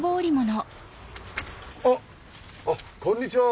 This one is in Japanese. あっこんにちは。